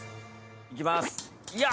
いきます。